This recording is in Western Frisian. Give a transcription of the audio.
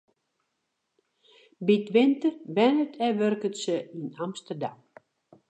By 't winter wennet en wurket se yn Amsterdam.